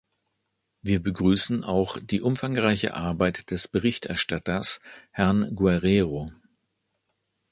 Wir begrüßen auch die umfangreiche Arbeit des Berichterstatters, Herrn Guerreiro.